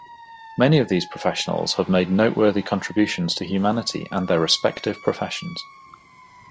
Many of these professionals have made noteworthy contributions to humanity and their respective professions.